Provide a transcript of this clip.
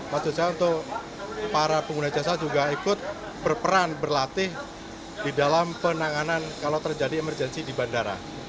maksud saya untuk para pengguna jasa juga ikut berperan berlatih di dalam penanganan kalau terjadi emergensi di bandara